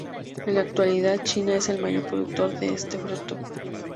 En la actualidad, China es el mayor productor de este fruto.